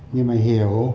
nhưng mà hiểu